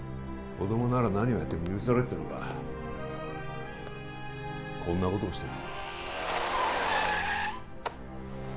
子供なら何をやっても許されるってのかこんなことをしても？